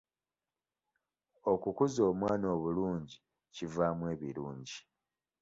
Okukuza omwana obulungi kivaamu ebirungi.